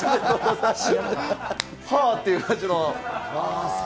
はぁっていう感じの。